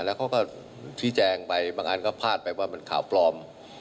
แล้วเขาก็ชี้แจงไปบางอันก็พลาดไปว่ามันข่าวปลอม